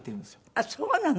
あっそうなの。